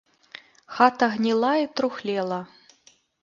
Хата гніла і трухлела.